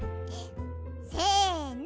せの！